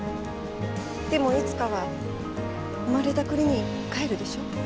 でもいつかは生まれた国に帰るでしょ？